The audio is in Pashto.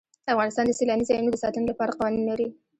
افغانستان د سیلاني ځایونو د ساتنې لپاره قوانین لري.